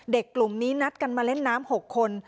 กลุ่มนี้นัดกันมาเล่นน้ำ๖คน